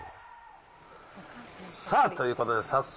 さあ、ということで、早速、